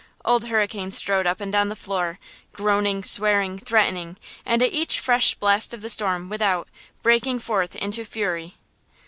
Old Hurricane strode up and down the floor, groaning, swearing, threatening, and at every fresh blast of the storm without, breaking forth into fury!